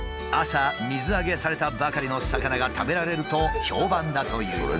朝水揚げされたばかりの魚が食べられると評判だという。